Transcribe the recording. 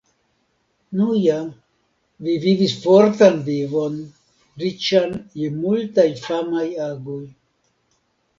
Nu ja, vi vivis fortan vivon, riĉan je multaj famaj agoj.